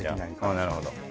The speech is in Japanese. なるほど。